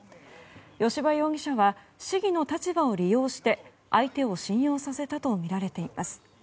吉羽容疑者は市議の立場を利用して相手を信用させたとみられています。